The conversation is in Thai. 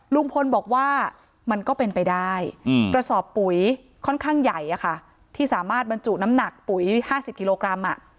ลุงพลบอกว่ามันก็เป็นไปได้กระสอบปุ๋ยค่อนข้างใหญ่ที่สามารถบรรจุน้ำหนักปุ๋ย๕๐กิโลกรัม